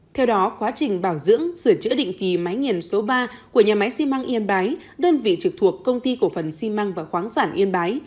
theo đó quá trình bảo dưỡng sửa chữa định kỳ máy nghiền số ba của nhà máy xi măng yên bái đơn vị trực thuộc công ty cổ phần xi măng và khoáng sản yên bái